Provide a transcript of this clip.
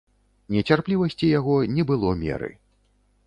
Нецярплівасці яго не было меры.